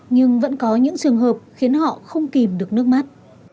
nhưng vẫn có những trường hợp khiến họ không kìm được nước mắt